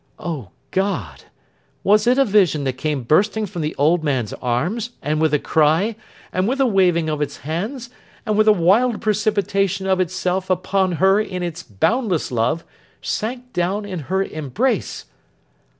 O God! was it a vision that came bursting from the old man's arms, and with a cry, and with a waving of its hands, and with a wild precipitation of itself upon her in its boundless love, sank down in her embrace!